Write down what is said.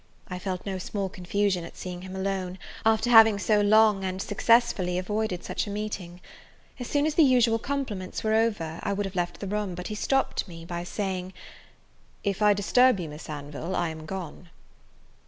I felt no small confusion at seeing him alone, after having so long and successfully avoided such a meeting. As soon as the usual compliments were over, I would have left the room, but he stopped me by saying, "If I disturb you Miss Anville, I am gone."